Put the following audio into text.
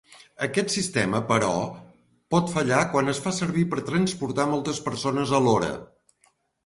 Aquest sistema, però, pot fallar quan es fa servir per transportar moltes persones alhora.